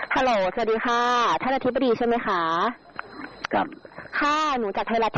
ก็ต้องเที่ยวแล้วลองพบมา